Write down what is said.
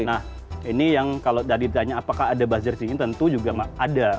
nah ini yang kalau ditanya apakah ada buzzer di sini tentu juga ada